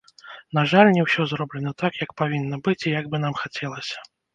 На жаль, не ўсё зроблена так, як павінна быць і як бы нам хацелася.